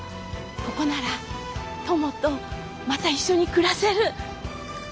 ここならトモとまた一緒に暮らせる。